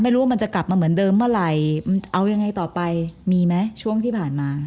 ไม่รู้ว่ามันจะกลับมาเหมือนเดิมเมื่อไหร่เอายังไงต่อไปมีไหมช่วงที่ผ่านมา